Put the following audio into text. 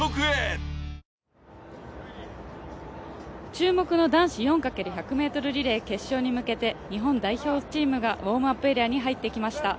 注目の男子４×４００ｍリレーに向けて日本代表チームがウォームアップエリアに入ってきました。